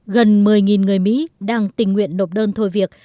gần một mươi người mỹ đang tình nguyện nộp đơn thôi việc